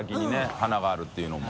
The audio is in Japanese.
花があるっていうのも。